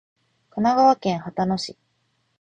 神奈川県秦野市